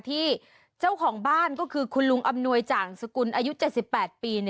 ที่เจ้าของบ้านก็คือคุณลุงอำนวยจ่างสกุลอายุ๗๘ปี